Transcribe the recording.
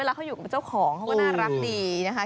แล้วเขาอยู่กับเจ้าของเขาก็น่ารักดีนะคะ